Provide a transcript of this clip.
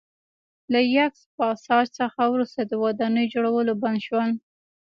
له یاکس پاساج څخه وروسته د ودانیو جوړول بند شول